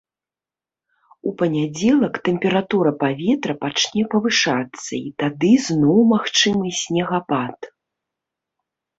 У панядзелак тэмпература паветра пачне павышацца і тады зноў магчымы снегапад.